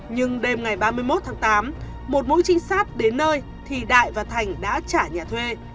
nhưng đêm ngày ba mươi một tháng tám một mũi trinh sát đến nơi thì đại và thành đã trả nhà thuê